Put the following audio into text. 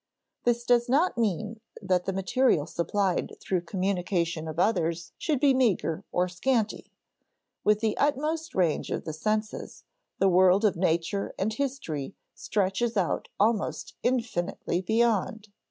This does not mean that the material supplied through communication of others should be meager or scanty. With the utmost range of the senses, the world of nature and history stretches out almost infinitely beyond.